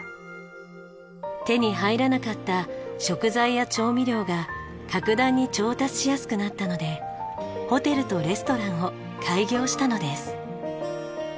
手に入らなかった食材や調味料が格段に調達しやすくなったのでホテルとレストランを開業したのです。